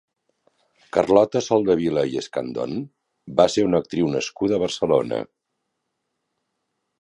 Carlota Soldevila i Escandon va ser una actriu nascuda a Barcelona.